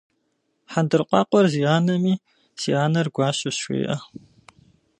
Хьэндыркъуакъуэр зи анэми, си анэр гуащэщ жеӏэ.